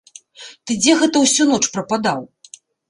Ты дзе гэта ўсю ноч прападаў?